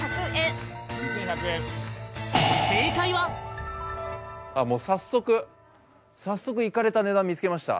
正解はもう早速早速イカれた値段見つけました